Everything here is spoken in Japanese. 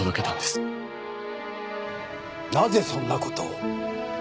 なぜそんなことを？